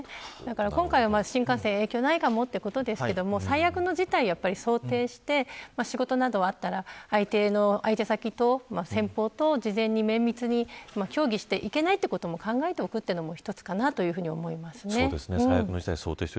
今回は新幹線、影響ないかもということですが、最悪の事態を想定して、仕事などあったら相手先と、先方と事前に綿密に協議して行けないということも考えておくことも１つかなと思います。